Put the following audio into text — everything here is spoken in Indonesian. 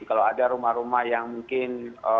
kalau ada rumah rumah yang mungkin